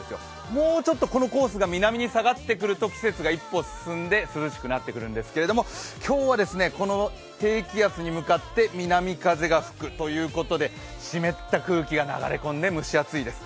もうちょっとこのコースが南に下がってくると季節が一歩進んで涼しくなってくるんですけれども、今日はこの低気圧に向かって南風が吹くということで湿った空気が流れ込んで蒸し暑いです。